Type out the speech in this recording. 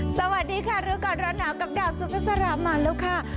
สวัสดีค่ะเริ่มก่อนร้านหนาวกับดาวน์ซูเปอร์สาระมาแล้วค่ะ